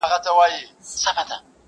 له هوا به پر هوسۍ حمله کومه.!